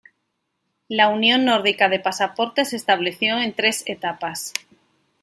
La Unión Nórdica de Pasaportes se estableció en tres etapas.